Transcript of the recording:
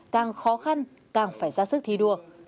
càng khó khăn càng phải ra sức thi đua